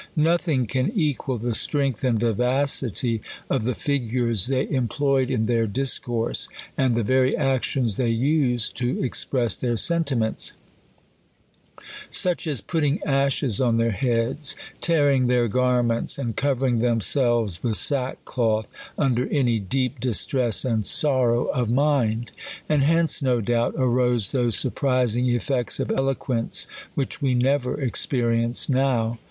Nothing can equal the strength and vivacity of the figures they employed in their discourse, and the very actions they used, to express their sentiments ; such as putting ashes on their heads, tearing their garments, and covering themselves with sackcloth under any deep distress and sorrow of mTu^. And hence, no doubt, arose those surprising efiects of eloquence, which we never experience now.